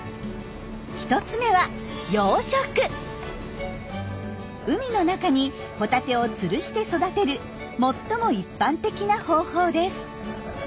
１つ目は海の中にホタテをつるして育てる最も一般的な方法です。